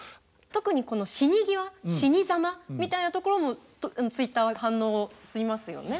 特にこの死に際死にざまみたいなところをＴｗｉｔｔｅｒは反応しますよね。